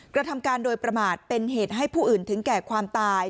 กระทำการโดยประมาทเป็นเหตุให้ผู้อื่นถึงแก่ความตาย